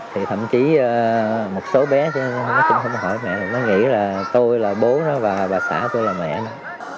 thì thậm chí một số bé nó cũng không hỏi mẹ nó nghĩ là tôi là bố nó và bà xã tôi là mẹ nó